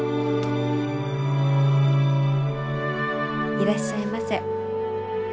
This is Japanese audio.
いらっしゃいませ。